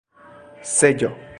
seĝo